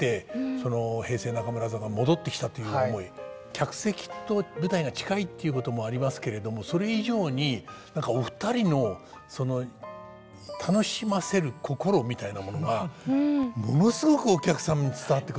客席と舞台が近いっていうこともありますけれどもそれ以上に何かお二人のその楽しませる心みたいなものがものすごくお客さんに伝わってくるっていう。